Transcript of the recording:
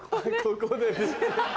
ここで。